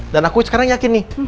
dan aku sekarang yakin nih